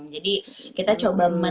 jadi kita coba